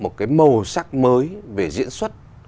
một cái màu sắc mới về diễn xuất